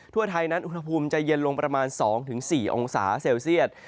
ทั่วไทยนั้นอุณหภูมิจะเย็นลงประมาณ๒๔องศาเซลเซียต